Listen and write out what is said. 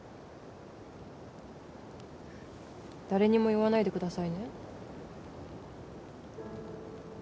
誰にも言わないでくださいね